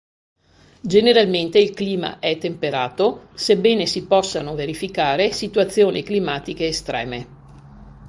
Generalmente il clima è temperato, sebbene si possano verificare situazioni climatiche estreme.